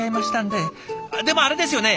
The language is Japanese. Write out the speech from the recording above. でもあれですよね！